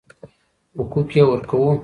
حقوق يې ورکوو.